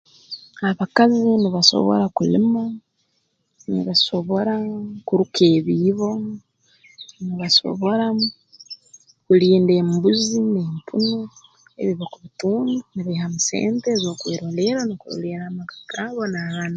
Abakazi nibasobora kulima nibasobora kuruka ebiibo nibasobora kulinda embuzi n'empunu ebyo obu bakubitunda nibaihamu sente ez'okwerolerra nukwo n'okurolerra amaka gaabo n'abaana